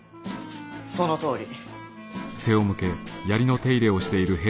そのとおり。